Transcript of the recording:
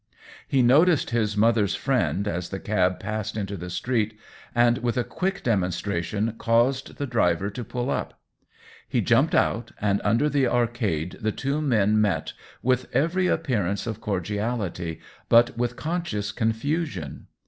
He noticed his mother's friend as the cab passed into the street, and, with a quick demonstration, caused the driver to pull up. He jumped out, and under the arcade the two men met 92 THE WHEEL OF TIME with every appearance of cordiality, but with conscious confusion.